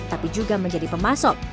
tapi juga menjadi pemasok